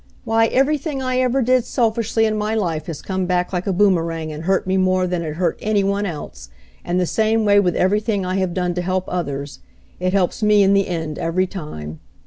Why, everything I ever did selfishly in my life has come back like a boom erang and hurt me more than it hurt any one else, and the same way with everything I have done to help others. It helps me in the end every time.